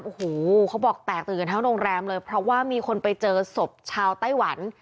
โอ้โหเขาบอกแตกตื่นกันทั้งโรงแรมเลยเพราะว่ามีคนไปเจอศพชาวไต้หวัน